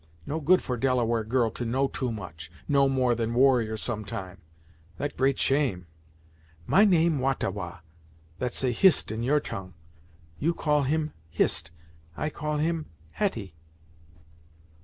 No good for Delaware girl to know too much know more than warrior some time; that great shame. My name Wah ta Wah that say Hist in your tongue; you call him, Hist I call him, Hetty."